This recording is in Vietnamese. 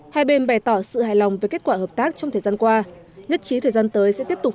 hai bên bày tỏ sự hài lòng về kết quả hợp tác trong thời gian qua nhất trí thời gian tới sẽ tiếp tục